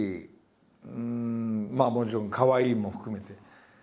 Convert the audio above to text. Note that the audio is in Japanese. まあもちろん「かわいい」も含めて。